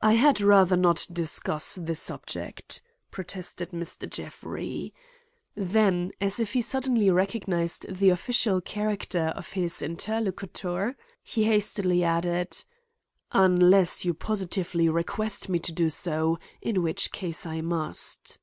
"I had rather not discuss the subject," protested Mr. Jeffrey. Then as if he suddenly recognized the official character of his interlocutor, he hastily added: "Unless you positively request me to do so; in which case I must."